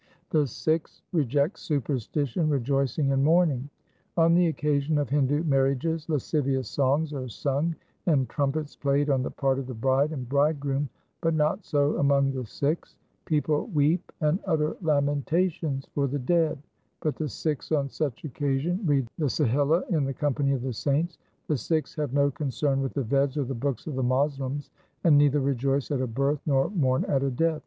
5 The Sikhs reject superstition, rejoicing, and mourning :— On the occasion of Hindu marriages lascivious songs are sung and trumpets played on the part of the bride and bridegroom, but not so among the Sikhs. People weep and utter lamentations for the dead, but the Sikhs on such occasions read the Sohila in the company of the saints. The Sikhs have no concern with the Veds or the books of the Moslems, and neither rejoice at a birth nor mourn at a death.